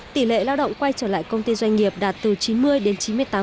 tỷ lệ lao động quay trở lại công ty doanh nghiệp đạt từ chín mươi đến chín mươi tám